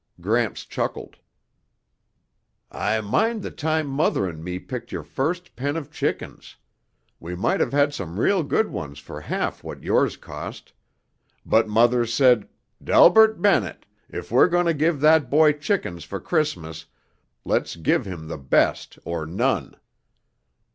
Gramps chuckled. "I mind the time Mother and me picked your first pen of chickens. We might have had some real good ones for half what yours cost. But Mother said 'Delbert Bennett! If we're going to give that boy chickens for Christmas, let's give him the best or none!'